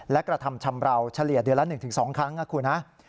และกระทำชำราวเฉลี่ยเดือนละ๑๒ครั้งนะคุณฮะ